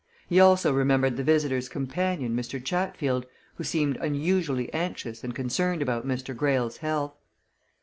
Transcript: He also remembered the visitor's companion, Mr. Chatfield, who seemed unusually anxious and concerned about Mr. Greyle's health.